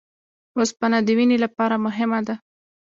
اوسپنه د وینې لپاره مهمه ده